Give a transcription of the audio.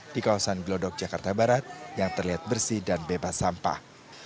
di kawasan glodok jakarta barat yang terlihat bersih dan bebas sampah